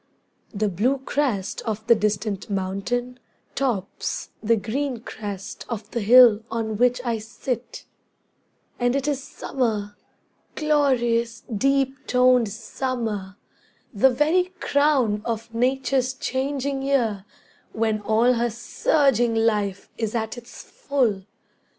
The blue crest of the distant mountain, tops The green crest of the hill on which I sit; And it is summer, glorious, deep toned summer, The very crown of nature's changing year When all her surging life is at its full.